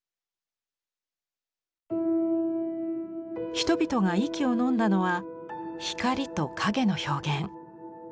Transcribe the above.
人々が息をのんだのは光と影の表現。